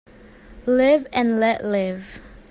Live and let live.